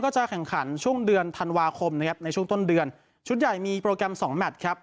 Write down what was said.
จะแข่งขันช่วงเดือนธันวาคมนะครับในช่วงต้นเดือนชุดใหญ่มีโปรแกรมสองแมทครับ